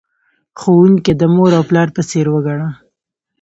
ښوونکی د مور او پلار په څیر وگڼه.